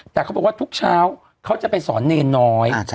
คือทุกเช้าเขาจะไปสอนเนน้อย